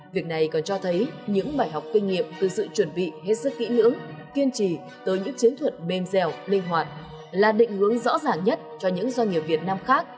việc này còn cho thấy những bài học kinh nghiệm từ sự chuẩn bị hết sức kỹ lưỡng kiên trì tới những chiến thuật mềm dẻo linh hoạt là định hướng rõ ràng nhất cho những doanh nghiệp việt nam khác